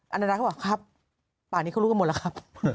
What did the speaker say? อนานดากล้วนเขาว่าครับปลากนี้เขารู้กันหมดแล้วครับ